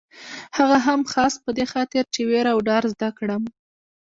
هغه هم خاص په دې خاطر چې وېره او ډار زده کړم.